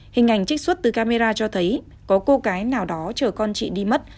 hình ảnh trích xuất từ camera cho thấy có cô gái nào đó chở con chị đi mất